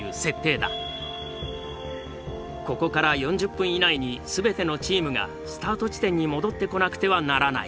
ここから４０分以内に全てのチームがスタート地点に戻ってこなくてはならない。